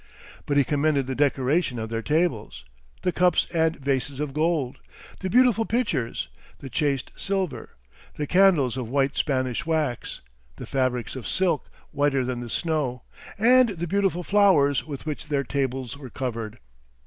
But he commended the decoration of their tables, the cups and vases of gold, the beautiful pitchers, the chased silver, the candles of white Spanish wax, the fabrics of silk whiter than the snow, and the beautiful flowers with which their tables were covered.